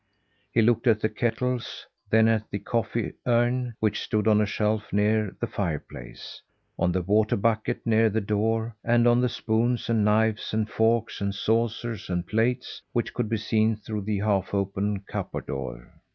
He looked at the kettles, then at the coffee urn, which stood on a shelf, near the fireplace; on the water bucket near the door; and on the spoons and knives and forks and saucers and plates, which could be seen through the half open cupboard door.